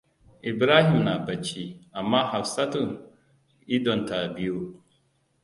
Ibrahim na bacci, amma Hafsatam idon ta biyu.